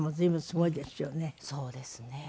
そうですね。